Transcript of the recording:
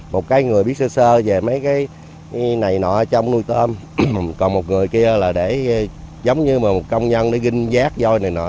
một người biết sơ sơ về mấy cái này nọ trong nuôi tôm còn một người kia là để giống như một công nhân ghiên giác dôi này nọ